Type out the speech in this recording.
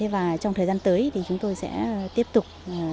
và trong thời gian tới thì chúng tôi sẽ tiếp tục